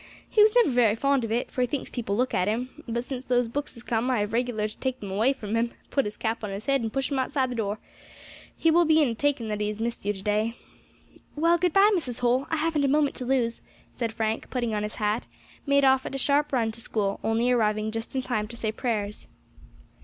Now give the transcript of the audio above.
He was never very fond of it, for he thinks people look at him; but since those books has come I have regular to take them away from him, put his cap on his head, and push him outside the door. He will be in a taking that he has missed you to day." "Well, good bye, Mrs. Holl, I haven't a moment to lose," and Frank, putting on his hat, made off at a sharp run to school, only arriving just in time to say prayers.